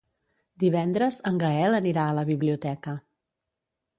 Divendres en Gaël anirà a la biblioteca.